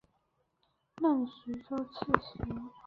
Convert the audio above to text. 任徐州刺史。